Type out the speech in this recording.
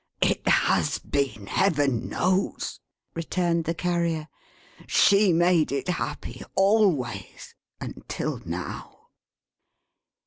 '" "It has been, Heaven knows," returned the Carrier. "She made it happy, always, until now."